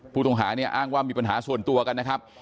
ผู้ต้องหาเนี่ยอ้างว่ามีปัญหาส่วนตัวกันนะครับ